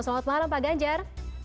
selamat malam pak ganjar